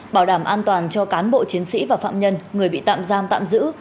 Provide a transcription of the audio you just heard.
bảo đảm an toàn cho cán bộ chiến sĩ và phạm nhân người bị tạm giam tạm giữ